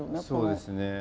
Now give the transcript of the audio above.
そうですね。